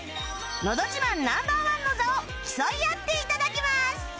のど自慢ナンバーワンの座を競い合って頂きます